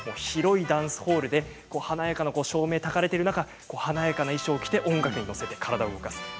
広いダンスホールで華やかな照明がたかれている中で華やかな衣装を着て音楽に乗せて体を動かす。